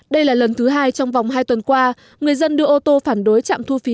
đây là lần thứ hai trong vòng hai tuần qua người dân đưa ô tô phản đối trạm thu phí